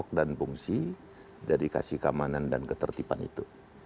bagian dari tugas pokok dan fungsi dari kasih keamanan dan ketertiban itu